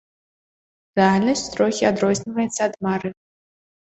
Рэальнасць трохі адрозніваецца ад мары.